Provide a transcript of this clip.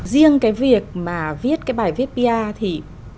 riêng cái việc mà viết cái bài viết bia thì